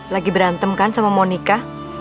lagi berantem kan sama monika